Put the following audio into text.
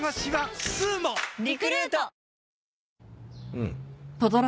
うん。